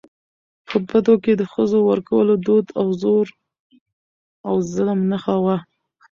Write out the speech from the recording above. په بدو کي د ښځو ورکولو دود د زور او ظلم نښه وه .